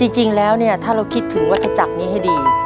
จริงแล้วเนี่ยถ้าเราคิดถึงวัตถจักรนี้ให้ดี